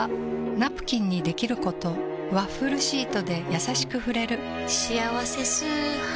ナプキンにできることワッフルシートでやさしく触れる「しあわせ素肌」